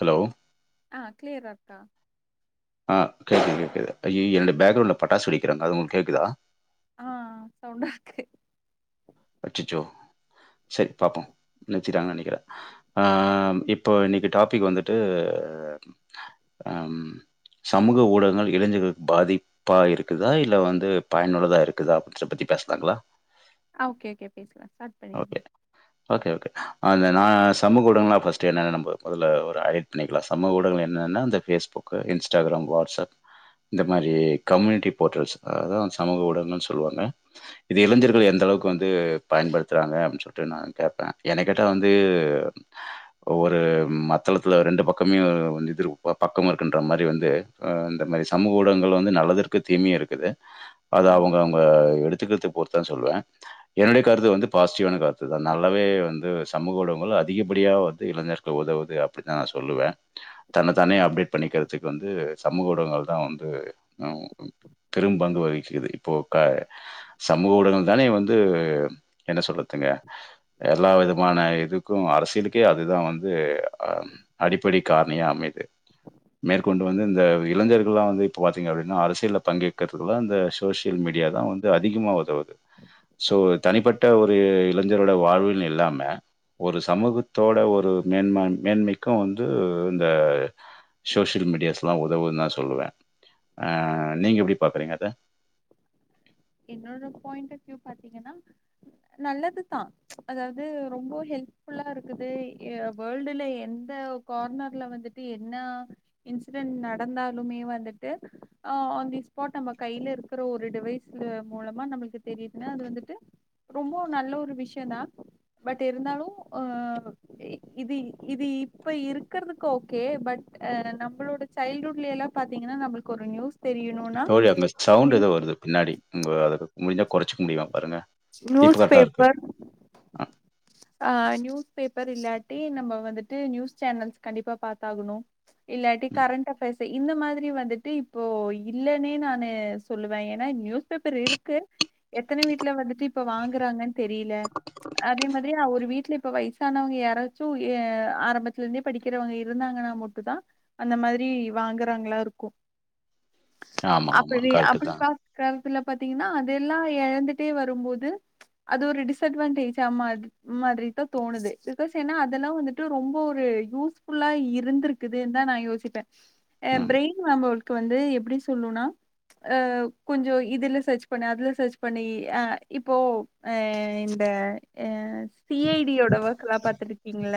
Hello அ கிளியரக்கா ஆ கேக்குது கேக்குது ஐய்யய்ய இந்த பேக்ரவுண்ட்ல பட்டாசு வெடிக்கிறாங்க அது உன் கேக்குதா அ ஆ சவுண்டாக்கு அச்சிச்சோ செரி பாப்போம் நிறுத்திட்டாங்க நெனைக்கிற அ அ இப்போ இன்னிக்கி டாபிக் வந்துட்டு ம் சமூக ஊடங்கள் இளைஞர்களுக்கு பாதிப் பா இருக்குதா இல்ல வந்து பயனுள்ளதா இருக்குதா அப்டி [unintelligible] பத்தி பேசலாங்ளா ஆ ஓகே ஓகே பேசலா சார் ஓகே ஓகே ஓகே அந்த நா சமூக ஊடங்களா ஃபர்ஸ்ட்டு என்னென்ன நம்ப மொதல்ல ஒரு ஆயிர் பண்ணிக்லா சமூக ஊடகங்கள் என்னன்னா அந்த பேஸ்புக்கு இன்ஸ்டாகிராம் வாட்ஸ்அப் இந்த மாரி கம்யூனிட்டி போர்ட்டல்ஸ் அதா சமூக ஊடங்கள் சொல்வாங்க இது இளைஞர்கள் எந்த அளவுக்கு வந்து பயன்படுத் துறாங்க அப்டி சொல்ட்டு நா கேப்ப என்ன கேட்டா வந்து ஒவ்வொரு ம் மத்தளத்துல ரெண்டு பக்கம்மு இது பக்கம் இருக்குன்ற மாரி வந்து அ இந்த மாரி சமூக ஊடங்கள் வந்து நல்லதுருக்கு தீமயு இருக்குது அத கண்டிப் அவங்கவங்க எடுத்துக்கிற்துக் பொறுத் தா சொல்லுவ என்டுய கருத்து வந்து பாஸ்ட்டிவான கருத்துகள் நல்லாவே வந்து சமூக ஊடங்கள் அதிகப்படியா வந்து இளைஞர்களுக்கு உதவுது அப் டித்தா நா சொல்லுவ தன்ன தானே அப்டேட் பண்ணிக்க வச்சிக்க வந்து சமூக ஊடங்கள் தா வந்து அ பெரும் பங்கு வகிக்கிறது இப்போ பார் சமூக ஊடங்கள் தானே வந்து என்ன சொல்த்துங்க எல்லா விதமான இதுக்கும் அரசியலுக்கே அதுதா வந்து அ அடிப்படை கார்ணியா அமைய்து மேற்கொண்டு வந்து இந்த இளைஞர்கள்லா வந்து இப்ப பாத்தீங்க அப்டின்னா அரசியல்ல பங்கேற்கிறதுக்குல்லா இந்த சோசியல் மீடியா தா வந்து அதிகமா உதவுது சோ தனிப்பட் விட்டா ஒரு இளைஞர்ரோட வாழ்வில் இல்லாம ஒரு சமூகத்தோட ஒரு மேன்ம மேன்மைக்கு வந்து இந்த சோசியல் மீடியாஸ்லா உதவும் தா சொல்லுவ அ நீங்க எப்டி பாக்குறீங்க அத என்னோட பாயிண்ட் ஆஃப் வியூ பாத்தீங்ன்னா நல்லதுதா அதாவ்து ரொம்ப ஹெல்ப்ஃபுல்லா இருக்குது வேர்ல்டுல எந்த ஒர் கார்னர்ல வந்துட்டு என்ன இன்சிடென்ட் நடந்தாலுமே வந்துட்டு ஆ ஆன் தி ஸ்பாட்டு நம்ம கையில இருக்கிற ஒரு டிவைஸ்ல மூலமா நம்ளுக்கு தெரியுதுன்னா அது வந்துட்டு ரொம்ப நல்ல ஒரு விஷய தா பட்டு இருந்தாலு அ இது இது இப்ப இருக்கறதுக்கு ஓகே பட் அ நம்புளோட சைல்ட்ஹூட்ல்ல எல்லா பாத்தீங்கன்னா நம்முள்க்கு ஒரு நியூஸ் தெரியணுனா தோழி அங்க சவுண்ட்டு நியூ ஏதோ வருது பின்னாடி உங்க அதுக்கு முடிஞ்சா கொறச்சிக்க முடியுமா பாருங்க இப்ப நியூஸ் கரெக்டா இருக்கு பேப்பர் ஆ நியூஸ் பேப்பர் இல்லாட்டி நம்ம வந்துட்டு நியூஸ் சேனல்ஸ் கண்டிப்பா பாத்தாகணும் இல்லாட்டி கரண்ட் அஃப்பஸ் இந்த மாதிரி வந்துட்டு இப்போ இல்லன்னே நானு சொல்லுவே ஏன்னா நியூஸ் பேப்பர் இருக்கு எத்தன வீட்டுல வந்துட்டு இப்ப வாங்குறாங்கன்னு தெரியல அதே மா திரி ஒரு வீட்ல இப்ப வயசானவங்க யாராச்சும் எ ஆரம்பத்துல இருந்தே படிக்கிறவங்க இருந்தாங்கன்னா மட்டுதா அந்த மாதிரி வாங்குறாங்களா இருக்கு ஆமா ஆமா அப்படி கரெக்ட் அப்டி தான் பாத் அந்த காலத்துல பார்த்தீங்கன்னா அது எல்லா எழந்துட்டே வரும்போது அது ஒரு டிஸ்அடவான்டேஜமா அது மாதிரி தா தோணுது பிகாஸ் ஏன்னா அது எல்லா வந்துட்டு ரொம்ப ஒரு யூஸ்ஃ புல்லா இருந்திருக் குது தா நா யோசிப்ப [inaudible] ஆ பிரெயின் [unintelligible] வந்து எப்டி சொல்லுன்னா அ கொஞ்சோ இதுல சர்ச் பண்ணி அதுல சர்ச் பண்ணி அ இப்போ அ இந்த அ சி ஐ டி யோட ஒர்க்லா பாத்துருக்கீங்கள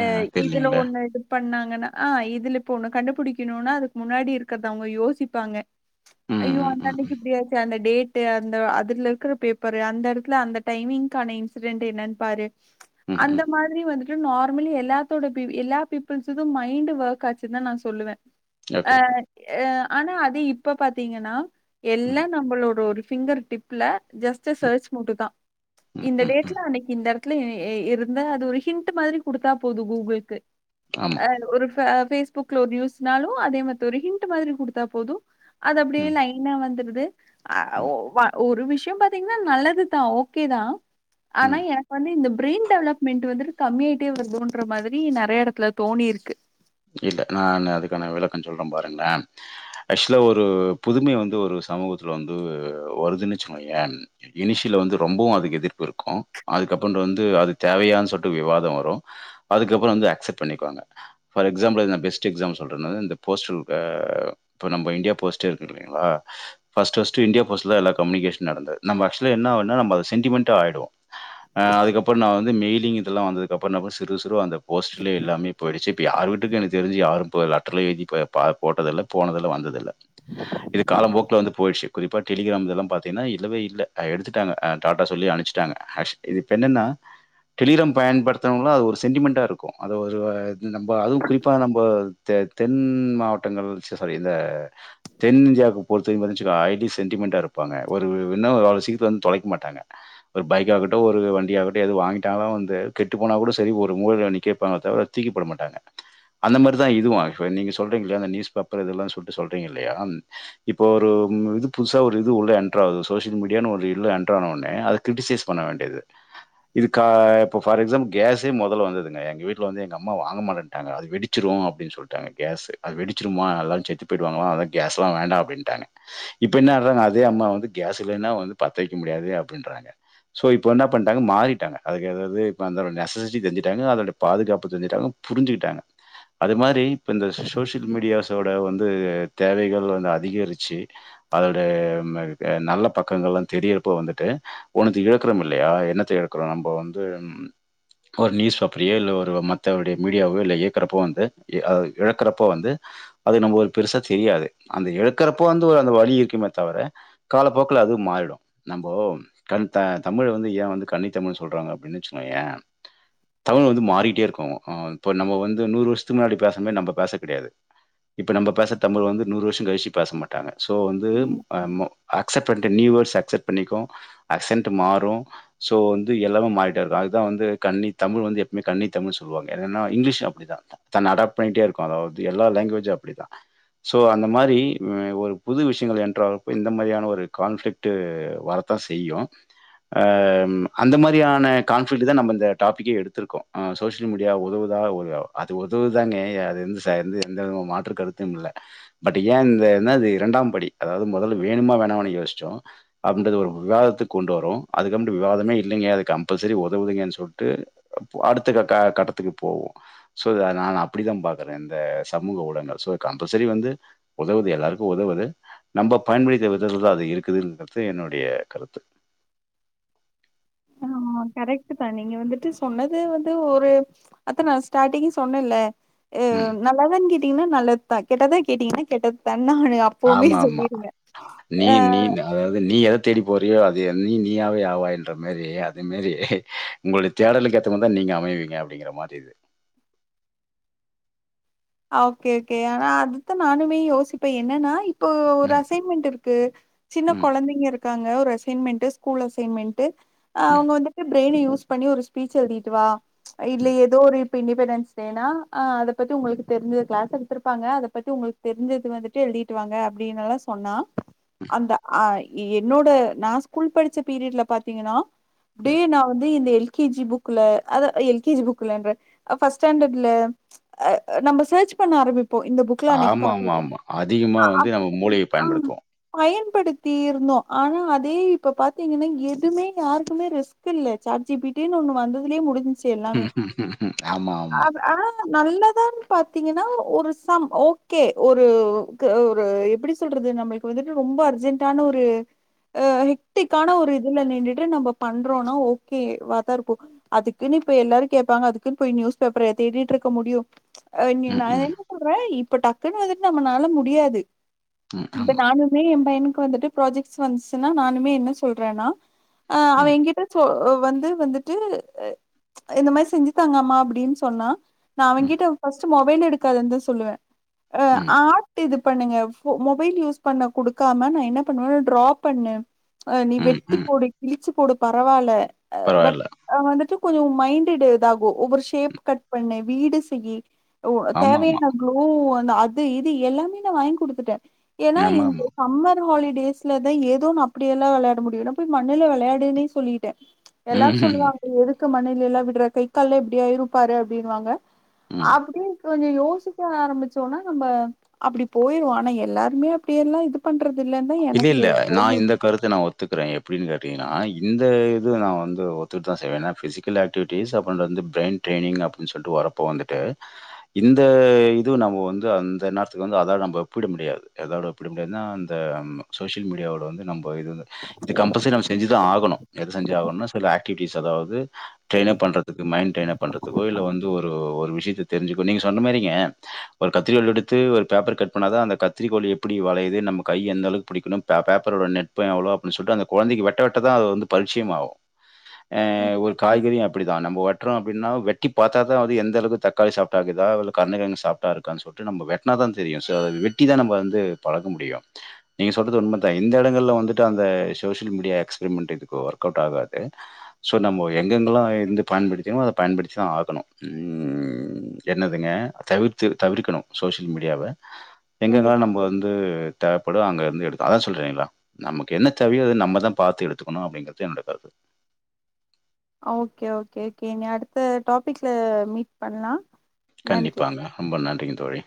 ஆ, அ இதுல தெரியலீங்களே ஒண்ணு எடுத் பண்ணாங்கன்னா ஆ இதுல இப்ப ஒன்னு கண்டுபிடிக்கணும்னா அதுக்கு முன்னாடி இருக்கறத அவங்க யோசிப்பாங்க ம் ஐயோ ம் அந்த ம் அன்னைக்கு இப்டியாச்சு அந்த டேட் டு அந்த அதுல இருக்கற பேப்பரு அந்த எடத்துல அந்த டைமிங்க்கான இன்சிடென்ட் என்னன் பாரு ம் அந்த ம் மா திரி வந்துட்டு நார்மலி எல்லாத்தோட பி எல்லா பீப்ள்ஸக்கு மைண்ட் ஒர்க் ஆச்சு தான் நா சொல்லுவே அ ஓகே ஓகே ம் அ ஆனா அது இப்ப பாத்தீங்கன்னா எல்லா ம் நம்மளோட ஒரு பிங்கர் டிப்ல ஜஸ்ட் ம் சர்ச் மட்டு தா ம் இந்த ம் டேட் ம். இந்த எடத்துல எ இருந்தா அது ஒரு ஹிண்ட் மாதிரி குடுத்தா போது கூகுல்க்கு ஆமா ஆ ஒரு பே பேஸ்புக்ல ஒரு யூஸ்னாலு அதே மத்தி ஒரு ஹிண்ட் மாதிரி குடுத்தா போது அது அப்டியே ம் லைனா வந்துருது அ ஒ ம் வ ஒரு விஷயோ பாத்தீங்கன்னா நல்லதுதா ஓகே தா ம் ஆனா எனக்கு வந்து இந்த பிரெயின் டெவலப்மெண்ட் வந்துட்டு கம்மியாயிட்டே வருதுன்ரோ மாதிரி நெறைய எடத்துல தோணிருக்கு இல்ல நா அதுக்கான விளக்கம் சொல்றே பாருங்களே ஆக்சுவலா ஒரு புதுமை வந்து ஒரு சமூகத்துல வந்து வருதுன்னுச்சுக்கேயே இனிஷியல வந்து ரொம்பவு அதுக்கு எதிர்ப்பு இருக்கு அதுக்கப்றோன்டு வந்து அது தேவையான்னு சொல்லிட்டு வந்து விவாத வரும் அதுக்கப்பற வந்து அக்செப்ட் பண்ணிக்குவாங்க ஃபர் எக்ஸாம்பிள் இது நா பெஸ்ட் எக்ஸாம்பிள் சொல்றே நா இந்த போஸ்டல் அ இப்ப நம்ம இந்தியா போஸ்டே இருக்கிங்ல்லைங்களா பஸ்ட் பஸ்ட் இந்தியா போஸ்டுல எல்ல கம்யுனிகேஷன் நடந்த நம்ம ஆக்சுவல என்னா நம்ம அ சென்டிமெண்ட ஆயிடுவோ அ அதுக்கப்றோ நா வந்து மெய்யில்ங் இதெல்லா வந்ததுக்கப்றோ சிறுக சிறுக அந்த போஸ்ட்லய எல்லாமே போயிடுச்சு இப்ப யார் வீட்டுக்கு எனக்கு தெரிஞ்சு யாரு போய் லெட்டர்ல எழுதி பா போட்டதில்ல போனதல்ல வந்ததில்ல இது காலம் போக்குல வந்து போயிடுச்சு குறிப்பா டெலிகிராம்ல்லா வந்து பாத்தீங்கன்னா இல்லவே இல்ல எடுத்துட்டாங்க டாட்டா சொல்லி அனுப்புச் டாங்க [unintelligible] இது இப்ப என்னன்னா டெலிகிராம் பயன்படுத்தனவங்கலா அது ஒரு சென்டிமெண்டா இருக்கு அது ஒரு நம்ம அதுவும் குறிப்பா நம்ம தெ தென் மாவட்டங்கள் ச சாரி இந்த தென் இந்தியாவுக்கு பொறுத்த வரைக்கும் பாத்தீங்ச்சுகோ சென்டிமெண்ட்டா இருப்பாங்க ஒரு இன்னும் அவள சீக்கிரத்ல வந்து தொலைக்க மாட்டாங்க ஒரு பைக்க ஆகட்டு ஒரு வண்டியாகட்டு எது வாங்கிட்டாங்காலா வந்து கெட்டு போனா கூட சரி ஒரு மூலைல நிக்க வைப்பங்க தவிர தூக்கிப்போட மாட் டாங்க அந்த மாரிதா இதுவு இப்ப நீங்க சொல்றீங்கள நியூஸ் பேப்பர்ல்லா சொல்ல சொல்றீங்க இல்லையா இப்ப ஒரு இது புதுசா ஒரு இது உள்ள எண்டர் ஆகுது சோசியல் மீடியானு ஒரு இதுல எண்டர் ஆன உடனே அதுக் கிரிட்டிசைஸ் பண்ண வேண்டியது இதுக் கா இப்ப பார் எக்ஸாம்பிள் கேஸே முதல்ல வந்ததுங்க எங்க வீட்ல வந்து எங்க அம்மா வாங்க அத மாட்டேன்டாங்க அது வெடிச்சிரு அப்டின் சொல்ட்டாங்க கேஸு அது வெடிச்சிருமா எல்லாரு செத்து போயிடுவாங்களா அதா கேஸ்லா வேண்டா அப்டின்ட்டாங்க இப்ப என்ன அதாங்க அதே அம்மா வந்து கேஸ் இல்லன்னா வந்து பத்த வைக்க முடியாது அப்டின்றாங்க ஸோ இப்போ என்ன பண்ட்டாங்க மாறிட்டாங்க அதுக்கு எதாவ்து இது அந்தவ நெஸசிட்டி செஞ்சுட்டாங்க அதோட பாதுகாப்பு தெஞ்சிட்டாங்க புரிஞ்சுகிட்டாங்க அது மாரி இப்ப இந்த சோசியல் மீடியா சோ ல வந்து தேவைகள் வந்து அதிகரிச்சி அதோடம இது நல்ல பக்கங்கள்லா தெரியிறப்போ வந்துட்டு ஒன்னுத்த இழக்குறோமில்லையா என்னத்த இழக்குறோ நம்ப வந்து ம் ஒரு நியூஸ் பேப்பரையோ இல்ல ஒருவ மத்தவடைய மீடியாவோ இல்ல இயக்குறப்போ வந்து இ அ இழக்கறப்போ வந்து அது நம்ம ஒரு பெருசா தெரியாது அந்த இழக்கிறப்போ வந்து ஒரு அந்த வழி இருக்குமே தவர காலப்போக்குல அதூ மாறிடு நம்போ கண் த தமிழ் வந்து ஏன் வந்து கண்ணித்தமிழ்ன் சொல்றாங்க அப்டின்னு வச்சுக்கோயே தமிழ் வந்து மாறிட்டே இருக்கோ ஆ இப்ப நம்மோ வந்து நூறு வருஷத்துக்கு முன்னாடி பேச மாரி நம்ம பேச கெடையாது இப்ப நம்ப பேச தமிழ் வந்து நூறு வருஷோ கழிச்சு பேச மாட்டாங்க சோ வந்து ம். அம்மோ அக்செப்ட் பண்ட்டு நியூ வேர்ட்ஸ் அக்செப்ட் பண்ணிக்கொ அக்சென்டூ மாறூ சோ வந்து எல்லாமே மாறிட்டே இருக்கூ அதுக்குதா வந்து கன்னி தமிழ் வந்து எப்பவுமே கண்ணி தமிழ் சொல்வாங்க என்னனா இங்கிலீஷ் அப்டி தா இருக்கூ தன்ன அடாப்ட் பண்ட்டே இருக்கூ அதாவ்து எல்லா லாங்குவேஜு அப்டிதா சோ அந்த மாரி ம ஒரு புது விஷியங்கள் ஏன்ற வரப்ப இந்த மாரியான ஒரு கான்ஃபிளிக் ட்டு வரத்தா செய்யு அ ம் அந்த மாரியான கான்ஃபிளிக்ட் தா நம்ம இந்த டாபிக்க எடுத்துருக்கோ ஆ சோசியல் மீடியா உதவுதா உதா அது உதவுதாங்க அது எந்த ச எந் எந்த விதமா மாற்று கருத்தும் இல்ல பட் ஏ இந்த என்ன அது இரண்டாம் படி அதாவ்து மொதல்ல வேணுமா வேணாமான்னு யோசிச்சோ அப்டின்றது ஒரு விவாதத்துக்கு கொண்டு வரு அதுகம்டு விவாதமே இல்லைங்க அது கம்பெல்சரி உதவுதுங்கன் சொல்ட்டு பு அடுத்த கட்ட கட்டத்துக்கு போவோ சோ இத நா நான் அப்புடிதா பாக்குறே இந்த சமூக ஊடங்கள் சோ கம்பல்சரி வந்து உதவுது எல்லாருக்கூ உதவுது நம்ம பயன்படுத்தி விததுதா அது இருக்குதுங்கறது என்னுடைய கருத்து ஆ ஆ கரெக்ட்டு தா நீங்க வந்துட்டு சொன்னது வந்து ஒரு அது நா ஸ்டார்டிங்க் சொன்னல்ல அ ம் நல்லதான் கேட்டீங்கன்னா நல்லத்துதா கெட்டதா கேட்டீங்கன்னா கெட்டத்தானா எடி அப் போமே சொல்லிருந்த ஆ அதாவ்து நீ எத தேடி போறியோ அதே நீ நீயாவே ஆவாய்ன்ற மேரி அத மேரி உங்களுடைய தேடலுக்கேத்த மாரி த நீங்க அமைவீங்க அப்டிங்கிற மாறி இது ஓக்கே ஓக்கே ஆனா அதுத்தா நானுமே யோசிப்பே என்னன்னா இ ப்போ ஒரு ம் அசைன்மெண்ட் இருக்கு சின்ன ம் கொழந்தைங்க இரு க்காங்க ஒரு‌ அசைமெண்டு ஸ்கூல் அசைமெண்டு ஆ ம் அவங்க வந்துட்டு ப்ரெய்ன யூஸ் பண்ணி ஒரு ஸ்பீச் எழுதிட்டு வா இல்ல ம் ஏதோ ஒரு இப்ப இண்டிபெண்டன்ஸ் டேனா ஆ அத பத்தி உங்களுக்கு தெரிஞ்சது க்ளாஸ் எடுத்துருப்பாங்க அத பத்தி உங்களுக்கு தெரிஞ்சது வந்துட்டு எழுதிட்டுவாங்க அப்டின்னெல்லா சொன்னா அந்த ஆ இ என்னோட நா ஸ்கூல் படிச்ச பீரியட்ல பாத்தீங்கன்னா டே ம் நா வந்து இந்த எல் கே ஜி புக்ல அத அ எல் கே ஜி புக்லன்ற அ பஸ்ட் ஸ்டண்டட்ல அ அ நம்ம செர்ச் பண்ண ஆரம்பிப்போ இந்த புக்ல அன்னைக்கு ஆமா ஆமா பாத்தோமே ஆமா அதிகமா ஆ வந்து நம்ம அப்டி மூளையை [inaudible] ஆ பயன்படுத்துவோம் பயன்படுத்தி இருந்தோ ஆனா அதே இப்ப பாத்தீங்கன்னா எதுமே நாருக்குமே ரிஸ் கில்ல சாட் ஜீ பி டி ன்னு ஒன்னு வந்ததுலே முடிஞ் ஆமா ஆமா நல்லாதா பாத்தீங்கன்னா ஒரு சம் ஓகே ஒரு ஒரு எப்டி சொல்றது நம்ம இப்ப வந்துட்டு ரொம்ப அர்ஜென்ட்டான ஒரு அ ஹெக்டிக்கான ஒரு இதுல நின்டுட்டு நம்ம பண்றோனா ஓகே வாத்தார் அதுக்குன்னு இப்ப எல்லாரு கேட்பாங்க அதுக்குன்னு போய் நியூஸ் பேப்பரையா தேடிட்டு இருக்க முடியு நீ ம் நா ம் என்ன சொல்றே இப்ப டக்குன்னு வந்துட்டு நம்மனால முடியாது ம் இப்ப ஆமா நானு னுமே எயே பையனுக்கு வந்துட்டு ப்ராஜெக்ட் வந்துச்சின்னா நானுமே என்ன சொல்றேன்னா ஆ அவ ம் எங்கிட்ட சொ வந்து வந்துட்டு ட்டு இந்த மாரி செஞ்சி தாங்கமா அப்டின்னு சொன்னா நா ம் அவகிட்ட ஃபர்ஸ்ட் மொபைல் எடுக்காது தா சொல்லுவே ஆ ம் பண்ட்டு இது பண்ணுங்க ஃபோ மொபைல் யூஸ் பண்ண குடுக்காம நா என்ன பண்ணுவே ட்ரா பண்ணு அ நீ ம், வெட்டி ம். போடு கிழிச்சி போடு பரவால்ல பட் பரவால்ல. அ வந்துட்டு கொஞ்சோ மைண்ட் இதாகு ஒவ்வொரு ஷேப் கட் பண்ணு வீடு செய்யி ஆமாமா. தேவையான குளூ அந்த அது இது எல்லாமே நான் வாங்கி குடுத்துட்டே ஏன்னா இந்த ஆமாமா. சம்மர் ஹாலிடேஸ்லதா ஏதோன்னு அப்டியெல்லா விளையாட முடியில போய் மண்ணுல விளையாடுன்னே சொல்லிட்டே எல்லாரு ம்ஹ்ம். சொல்லுவாங்க எதுக்கு மண்ணுலல்லா விட்ற கைக்கால்ல எப்டி ஆயிருப்பாரு அப்டின்‌னுவாங்க ம். அப்டியே கொஞ்சோ யோசிக்க ஆரம்பிச்சோன்னா நம்ம அப்டி போயிரு ஆனா எல்லாருமே அப்டிய எல்லா இது பண்றது இல்லன்தா எனக்கு தோணு கருத்து நா ஒத்துக்குறே எப்டின்னு கேட்டீங்கன்னா இந்த இது நா வந்து ஒத்துக்கிட்டு தா செய்வே என்னா பிசிக்கல் ஆகி ஆக்டிவிட்டிஸ் அப்றோ இந்த வந்து பிரைன் ட்ரைனிங் அப்டின் சொல்லிட்டு வரப்ப வந்துட்டு இந்த இது நம்ம வந்து அந்த நேரத்துக்கு வந்து அத நம்ம ஒப்பிட முடியாது எதோட ஒப்பிட முடியாதுன்னா அந்த ஆமா சோசியல் மீடியாவோட வந்து நம்ம இது வந்து இது கம்பல்சரி நம்ம செஞ்சி ஆகணு எது செஞ்சி ஆகணும்னா சில ஆக்டிவிட்டிஸ் அதாது ட்ரெயினப் பண்றதுக்கு மைண்ட் ட்ரெய்ன் அப் பண்றதுக்கோ இல்ல வந்து ஒரு விஷயத்த தெரிஞ்சுக்கோ நீங்க சொன்ன மாரிங்க ஒரு கத்திரிக்கோல் எடுத்து ஒரு பேப்பர் கட் பண்ணாத அந்த கத்திரிக்கோல் எப்டி வளையுது நம்ம கை எந்த அளவுக் புடிக்கணும் பேப் பேப்பரோட நெட் பே எவ்ளோ அந்த கொழந்தைக்கு வெட்ட வெட்ட தா பரீட்சையம் ஆகு ஆ கண்டிப்பா ஒருக் காய்கறியு அப்டி தா நம்போ வெட்டிறோ அப்டின்னா வெட்டி பாத்தா அது எந்தளவுக்கு தக்காளி சாஃப்டாக்குதா இல்ல கர்ணகெழங்கு சாஃப் ப்டா இருக்கான்னு சொல்லிட்டு நம்ம வெட்னாதா தெரியு சோ அத வெட்டிதா நம்ம வந்து பழக முடியு நீங்க சொல்றது உண்ம தா இந்த எடங்கள்ல வந்துட்டு அந்த சோஷியல் மீடியா எக்ஸ்பெரிமெண்ட் இதுக்கு ஒர்க் அவுட் ஆகாது சோ நம்ம எங்கெங்கல்லா இருந்து பயன்படுத்திமோ அத பயன்படுத்திதா ம் என்னதுங்க தவிர்த்து தவிர்க்கணு சோசியல் மீடியாவ எங்கெல்லா கண்டிப்பா நம்ம வந்து தேவைப்படு அங்க வந்து எடுக்க அதா சொல்றே இல்லைங்ளா நமக்கு என்ன தேவையோ அது நம்மதா பாத்து எடுத்துகனு அப்டிங்கிறது என்னோட கருத்து ஓகே ஓகே கேமி அடுத்த டாப்பிக்ல மீட் பண்ணலா கண்டிப்பாங்க ரொம்ப நன்றிங்க தோழி